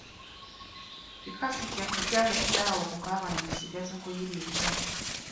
Kikazi kyattu kyalekera awo okukaaba ne kisigaza kuyiriitira.